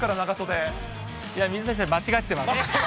いや、水谷さん、間違ってます。